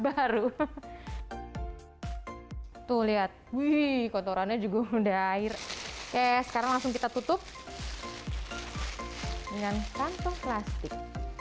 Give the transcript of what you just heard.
baru tuh lihat wih kotorannya juga udah air eh sekarang langsung kita tutup dengan kantong plastik